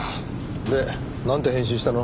でなんて返信したの？